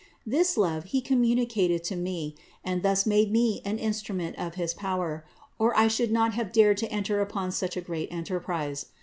This love He communicated to me, and thus made me an instrument of his power, or I should not have dared to enter upon such a great enterprise.